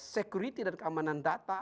security dan keamanan data